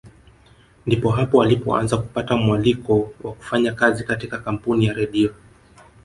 Ndipo hapo alipoanza kupata mwaliko wa kufanya kazi katika kampuni ya Redio